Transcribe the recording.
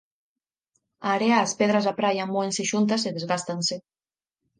A area e as pedras da praia móense xuntas e desgástanse